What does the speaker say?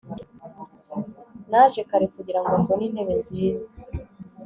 naje kare kugirango mbone intebe nziza